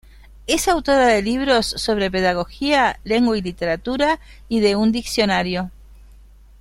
Es autora de libros sobre pedagogía, lengua y literatura, y de un diccionario.